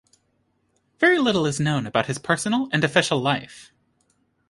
Very little is known about his personal and official life.